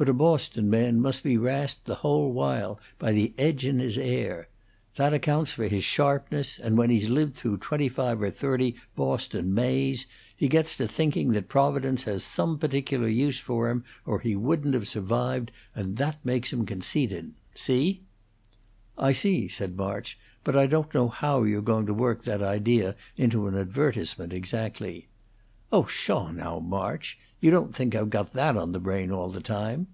But a Boston man must be rasped the whole while by the edge in his air. That accounts for his sharpness; and when he's lived through twenty five or thirty Boston Mays, he gets to thinking that Providence has some particular use for him, or he wouldn't have survived, and that makes him conceited. See?" "I see," said March. "But I don't know how you're going to work that idea into an advertisement, exactly." "Oh, pahaw, now, March! You don't think I've got that on the brain all the time?"